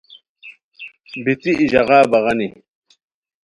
بیتی ای ژاغا بغانی